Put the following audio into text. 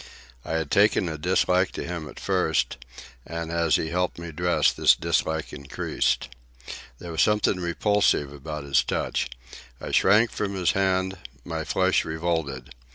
I had taken a dislike to him at first, and as he helped to dress me this dislike increased. There was something repulsive about his touch. I shrank from his hand; my flesh revolted.